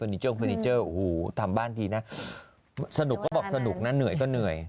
นิเจอร์เฟอร์นิเจอร์โอ้โหทำบ้านทีนะสนุกก็บอกสนุกนะเหนื่อยก็เหนื่อย